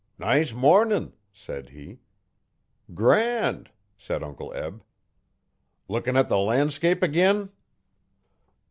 'Nice mornin'!' said he. 'Grand!' said Uncle Eb. 'Lookin' at the lan'scape ag'in?'